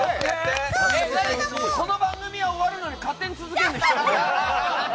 この番組は終わるのに勝手に続けるんだ、１人で。